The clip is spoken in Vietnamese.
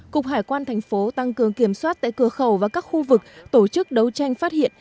cục hải quan thành phố tăng cường kiểm soát tại cửa khẩu và các khu vực tổ chức đấu tranh phát hiện